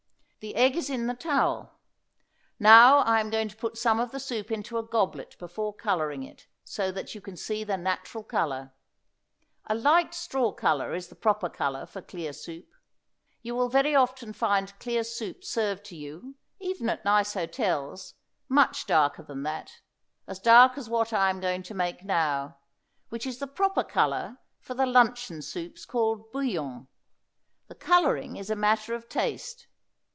The egg is in the towel. Now, I am going to put some of the soup into a goblet before coloring it, so that you can see the natural color. A light straw color is the proper color for clear soup. You will very often find clear soup served to you, even at nice hotels, much darker than that; as dark as what I am going to make now, which is the proper color for the luncheon soups called bouillon. The coloring is a matter of taste.